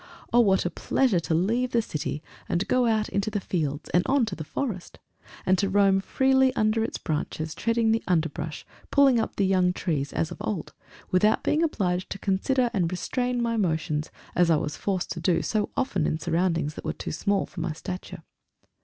Oh! what pleasure to leave the city, and go out into the fields and on to the forest! and to roam freely under its branches, treading the underbrush, pulling up the young trees, as of old, without being obliged to consider and restrain my motions, as I was forced to do so often in surroundings that were too small for my stature.